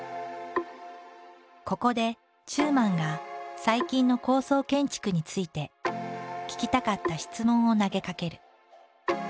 ここで中馬が最近の高層建築について聞きたかった質問を投げかける。